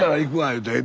言うて。